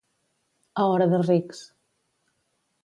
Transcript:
A hora de rics.